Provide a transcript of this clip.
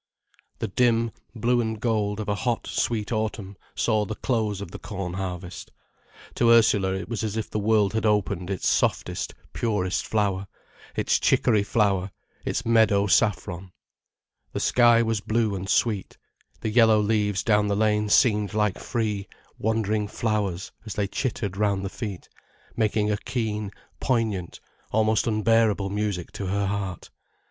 The dim blue and gold of a hot, sweet autumn saw the close of the corn harvest. To Ursula, it was as if the world had opened its softest purest flower, its chicory flower, its meadow saffron. The sky was blue and sweet, the yellow leaves down the lane seemed like free, wandering flowers as they chittered round the feet, making a keen, poignant, almost unbearable music to her heart.